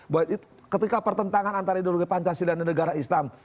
bahwa ketika pertentangan antara ideologi pancasila dan negara islam